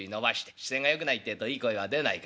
姿勢がよくないってえといい声は出ないから。